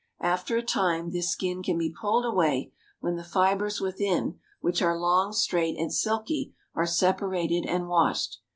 After a time this skin can be pulled away, when the fibers within, which are long, straight, and silky, are separated and washed.